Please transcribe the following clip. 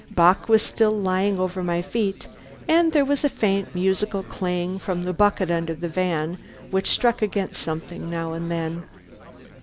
Bock was still lying over my feet, and there was a faint, musical clang from the bucket under the van which struck against something now and then.